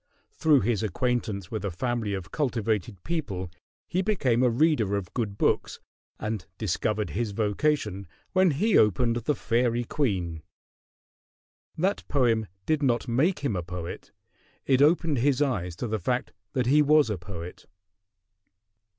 Through his acquaintance with a family of cultivated people he became a reader of good books, and discovered his vocation when he opened the "Faerie Queene." That poem did not make him a poet: it opened his eyes to the fact that he was a poet.